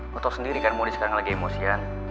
lo tau sendiri kan mondi sekarang lagi emosian